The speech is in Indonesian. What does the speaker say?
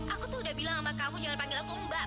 aku tuh udah bilang sama kamu jangan panggil aku mbak